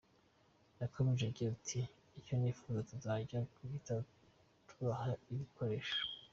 Yakomeje agira ati “Icyo twifuza, tuzajya duhita tubaha ibikoresho.